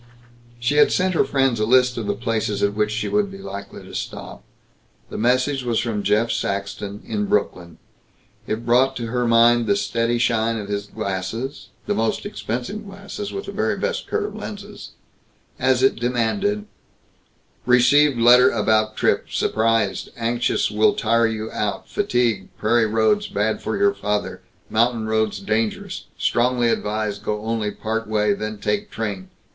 She had sent her friends a list of the places at which she would be likely to stop. The message was from Jeff Saxton, in Brooklyn. It brought to her mind the steady shine of his glasses the most expensive glasses, with the very best curved lenses as it demanded: "Received letter about trip surprised anxious will tire you out fatigue prairie roads bad for your father mountain roads dangerous strongly advise go only part way then take train.